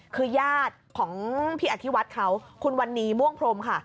คือญาติของพี่อธิวัฒน์เขาคุณวันนี้ม่วงพรมค่ะ